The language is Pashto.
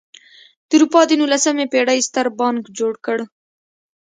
د اروپا د نولسمې پېړۍ ستر بانک جوړ کړ.